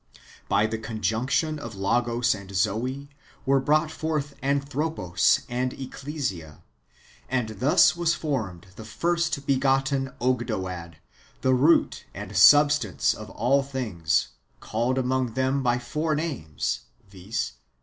By the conjunction of Logos and Zoe were brought forth Anthropos and Ecclesia; and thus was formed the first begotten Ogdoad, the root and substance of all things, called among them by four names, viz.